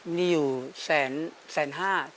หนี้อยู่แสนห้า